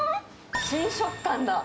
新食感だ。